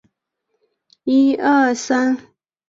参见右侧站牌路线图。